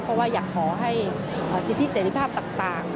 เพราะว่าอยากขอให้สิทธิเสรีภาพต่าง